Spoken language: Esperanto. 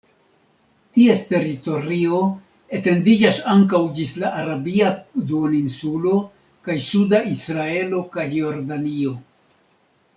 Ties teritorio etendiĝas ankaŭ ĝis la Arabia duoninsulo kaj suda Israelo kaj Jordanio.